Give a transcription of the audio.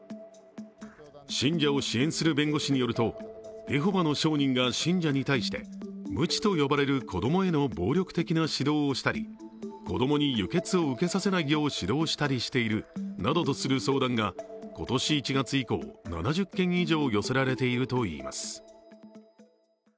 信者を支援する弁護士によるとエホバの証人が信者に対して、むちと呼ばれる子供への暴力的な指導をしたり、子供に輸血を受けさせないよう指導したりしているなどとする相談が今年１月以降、７０件以上寄せられているといいます。